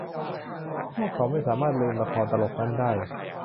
พวกเราไม่สามารถลืมละครตลกนั้นได้